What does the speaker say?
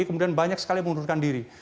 kemudian banyak sekali mengundurkan diri